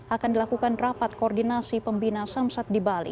akan dilakukan rapat koordinasi pembina samsat di bali